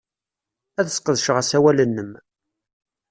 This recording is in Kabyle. Ad sqedceɣ asawal-nnem.